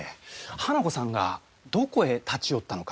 花子さんがどこへ立ち寄ったのか。